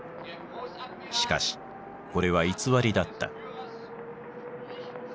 しかしこれは偽りだった。